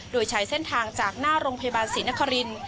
โดยใช้เส้นทางจากหน้าโรงพยาบาลศรีนคริน